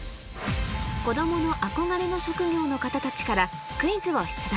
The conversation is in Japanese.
子供の憧れの職業の方たちからクイズを出題